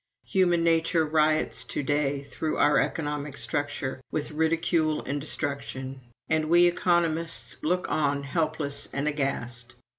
Human nature riots to day through our economic structure, with ridicule and destruction; and we economists look on helpless and aghast.